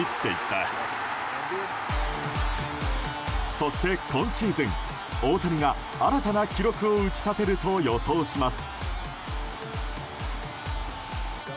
そして、今シーズン大谷が新たな記録を打ち立てると予想します。